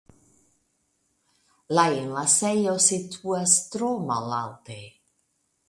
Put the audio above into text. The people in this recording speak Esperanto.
La enlasejo situas tro malalte.